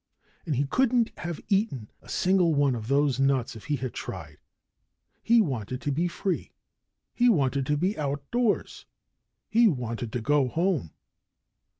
And he couldn't have eaten a single one of those nuts if he had tried. He wanted to be free. He wanted to be out of doors. He wanted to go home.